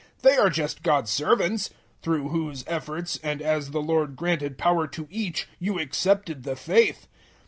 They are just God's servants, through whose efforts, and as the Lord granted power to each, you accepted the faith.